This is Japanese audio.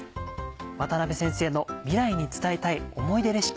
ワタナベ先生の「未来に伝えたい思い出レシピ」。